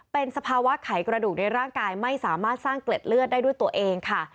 เป็นสภาวะไขกระดูกในร่างกายไม่สามารถสร้างเกล็ดเลือดได้ด้วยตัวเองค่ะ